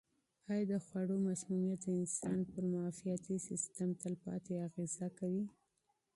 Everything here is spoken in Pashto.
آیا د خوړو مسمومیت د انسان پر معافیتي سیستم تلپاتې اغېزه کوي؟